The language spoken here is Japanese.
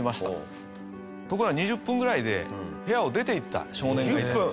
ところが２０分ぐらいで部屋を出ていった少年がいた。